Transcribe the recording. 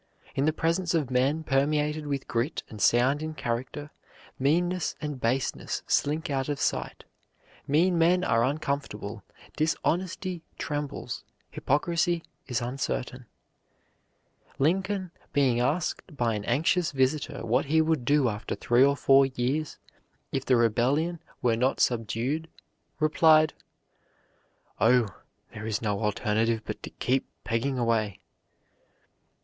In the presence of men permeated with grit and sound in character, meanness and baseness slink out of sight. Mean men are uncomfortable, dishonesty trembles, hypocrisy is uncertain. Lincoln, being asked by an anxious visitor what he would do after three or four years if the rebellion were not subdued, replied: "Oh, there is no alternative but to keep pegging away."